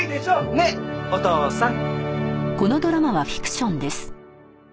ねえお父さん。